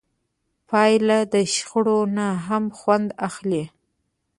پیاله د شخړو نه هم خوند اخلي.